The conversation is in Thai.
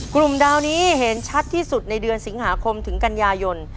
กลุ่มดาวนี้เห็นชัดที่สุดในเดือนสิงหาคมถึงกันยายน